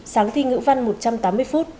sáng thi ngữ văn một trăm tám mươi phút